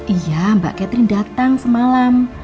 iya mbak catherine datang semalam